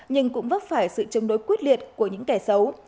nhưng cũng vấp phải sự chống đối quyết liệt của những kẻ xấu